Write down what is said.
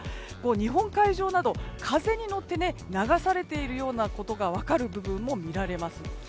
日本海上など、風に乗って流されているようなことが分かる部分も見られます。